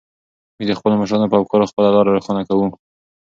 موږ د خپلو مشرانو په افکارو خپله لاره روښانه کوو.